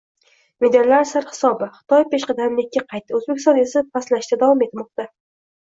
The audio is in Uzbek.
Medallar sarhisobi: Xitoy peshqadamlikka qaytdi, O‘zbekiston esa pastlashda davom etmoqda